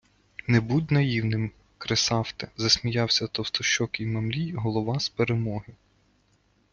- Не будь наївним, Кресафте, засміявся товстощокий Мамлій, голова з "Перемоги".